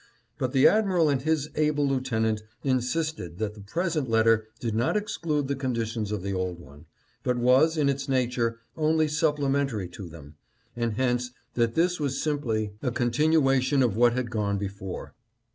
But the admiral and his able lieutenant insisted that the present letter did not exclude the con ditions of the old one, but was, in its nature, only sup plementary to them, and hence that this was simply a continuation of what had gone before.